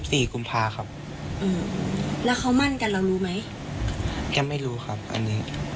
แต่เค้าบอกเรา